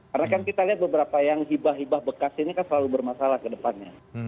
karena kan kita lihat beberapa yang hibah hibah bekas ini kan selalu bermasalah ke depannya